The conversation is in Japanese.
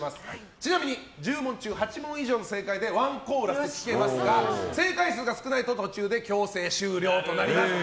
ちなみに１０問中８問以上の正解でワンコーラス聴くことができますが正解数が少ないと途中で強制終了となります。